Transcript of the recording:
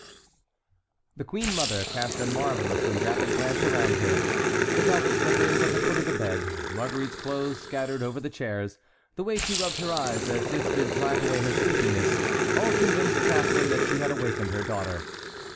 The queen mother cast a marvellously rapid glance around her. The velvet slippers at the foot of the bed, Marguerite's clothes scattered over the chairs, the way she rubbed her eyes as if to drive away her sleepiness, all convinced Catharine that she had awakened her daughter.